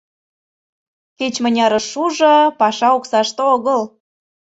Кеч-мынярыш шужо, паша оксаште огыл.